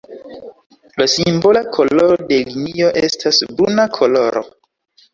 La simbola koloro de linio estas bruna koloro.